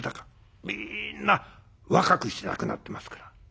みんな若くして亡くなってますから。